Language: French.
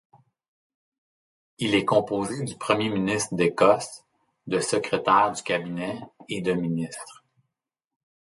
Il est composé du Premier ministre d'Écosse, de secrétaires du cabinet et de ministres.